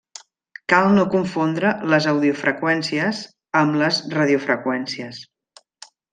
Cal no confondre les audiofreqüències amb les radiofreqüències.